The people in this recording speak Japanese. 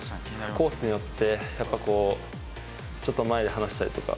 コースによって、やっぱこう、ちょっと前で離したりとか。